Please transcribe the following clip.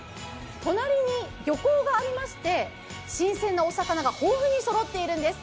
隣に漁港がありまして新鮮なお魚が豊富にそろっているんです。